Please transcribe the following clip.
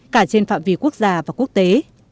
cả trên phạm vi quốc gia và quốc tế